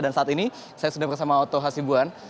dan saat ini saya sudah bersama otto hasibuan